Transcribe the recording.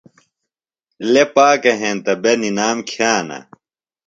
۔لےۡ پاکہ ہینتہ بے نِنام کِھیانہ۔